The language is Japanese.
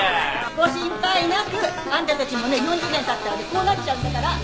ご心配なくあんたたちもね４０年経ったらねこうなっちゃうんだから。